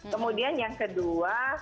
kemudian yang kedua